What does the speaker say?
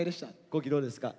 皇輝どうですか？